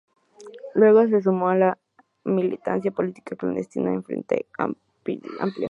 Luego se sumó a la militancia política clandestina en el Frente Amplio.